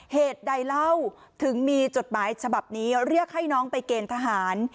เหตุใดเล่าถึงมีจดหมายฉบับนี้เรียกให้น้องไปเกณฑ์ทหาร